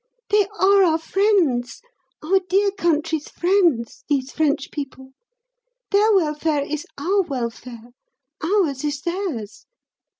They are our friends, our dear country's friends, these French people. Their welfare is our welfare, ours is theirs.